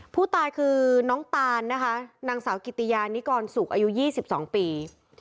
ผู้ตายคือน้องตานนะคะนางสาวกิติยานิกรสุกอายุ๒๒ปี